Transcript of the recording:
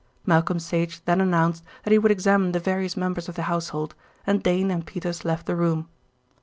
Malcolm Sage then announced that he would examine the various members of the household, and Dane and Peters left the room.